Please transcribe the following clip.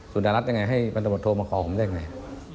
สุดารัฐยังไงให้พันธบทโทรมาขอผมได้ยังไง